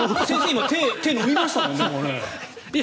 今、手が伸びましたもんね。